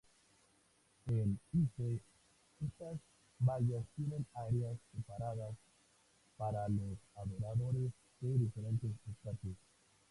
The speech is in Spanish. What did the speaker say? En Ise estas vallas tienen áreas separadas para los adoradores de diferentes estatus.